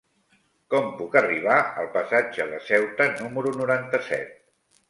Com puc arribar al passatge de Ceuta número noranta-set?